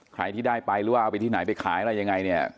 ใครที่ได้ไปหรือว่าเอาไปที่ไหนไปขายอะไรยังไงเนี่ย